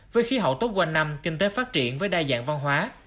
với khí hậu tốt quanh năm kinh tế phát triển với đa dạng văn hóa